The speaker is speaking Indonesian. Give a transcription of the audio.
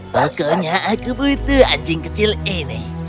pokoknya aku butuh anjing kecil ini